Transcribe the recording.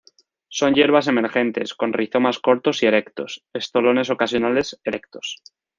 Son hierbas emergentes; con rizomas cortos y erectos; estolones ocasionales, erectos.